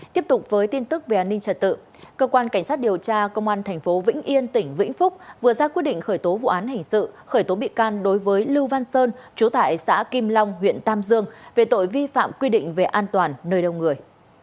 tiếp tục với tin tức về an ninh trật tự cơ quan cảnh sát điều tra công an tp vĩnh yên tỉnh vĩnh phúc vừa ra quyết định khởi tố vụ án hình sự khởi tố bị can đối với lưu văn sơn chú tại xã kim long huyện tam dương về tội vi phạm quy định về an toàn nơi đông người